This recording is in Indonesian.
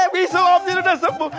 bisul om jin udah sembuh